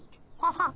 ホハハハ。